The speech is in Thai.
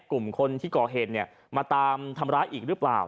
กลุ่มคนที่ก่อเหตุมาตามทำร้ายอีกหรือเปล่า